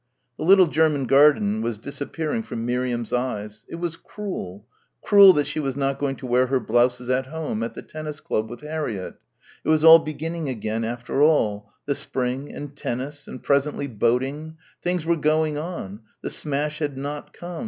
The little German garden was disappearing from Miriam's eyes.... It was cruel, cruel that she was not going to wear her blouses at home, at the tennis club ... with Harriett.... It was all beginning again, after all the spring and tennis and presently boating things were going on ... the smash had not come